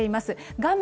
画面